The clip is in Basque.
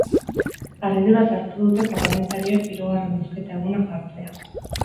Harriduraz hartu dute parlamentarioek hirugarren bozketa eguna jartzea.